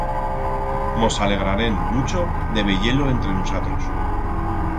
Mos alegrarem mucho de veyer-lo entre nusatros.